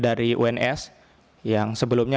dari uns yang sebelumnya